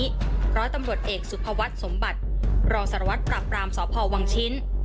เมื่อตำรวจเอกสุภาวัสตร์สมบัติรองศาลวัฒน์ปรับรามสพวางชิ้น